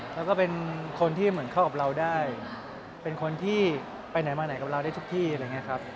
แล้วก็เป็นคนที่เหมือนเข้ากับเราได้เป็นคนที่ไปไหนมาไหนกับเราได้ทุกที่อะไรอย่างนี้ครับ